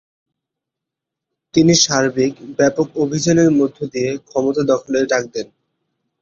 তিনি সার্বিক ব্যাপক অভিযানের মধ্য দিয়ে ক্ষমতা দখলের ডাক দেন।